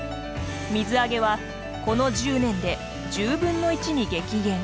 水揚げはこの１０年で１０分の１に激減。